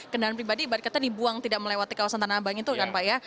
kendaraan pribadi ibaratnya dibuang tidak melewati kawasan tanah abang itu kan pak ya